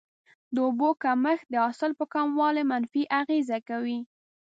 د اوبو کمښت د حاصل په کموالي منفي اغیزه کوي.